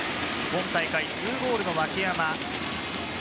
今大会２ゴールの牧山。